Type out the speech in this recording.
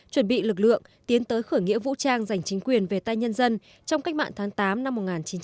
chuẩn bị lực lượng tiến tới khởi nghĩa vũ trang giành chính quyền về tay nhân dân trong cách mạng tháng tám năm một nghìn chín trăm bốn mươi năm